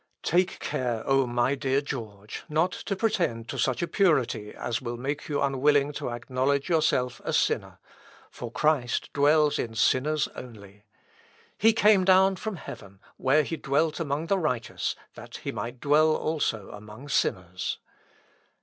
Take care, O my dear George, not to pretend to such a purity as will make you unwilling to acknowledge yourself a sinner; for Christ dwells in sinners only. He came down from heaven, where he dwelt among the righteous, that he might dwell also among sinners.